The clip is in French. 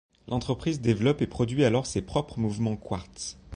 L'entreprise développe et produit alors ses propres mouvements quartz.